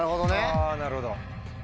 あなるほど。